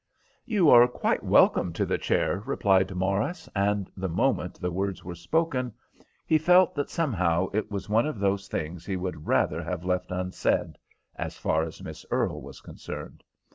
"You are quite welcome to the chair," replied Morris, and the moment the words were spoken he felt that somehow it was one of those things he would rather have left unsaid, as far as Miss Earle was concerned.